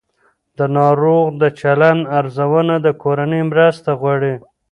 د ناروغ د چلند ارزونه د کورنۍ مرسته غواړي.